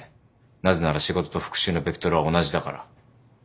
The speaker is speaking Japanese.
なぜなら仕事と復讐のベクトルは同じだから。